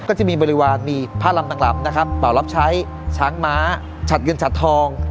ก็จะมีบริวารมีผ้าลำต่างนะครับเป่ารับใช้ช้างม้าฉัดเงินฉัดทอง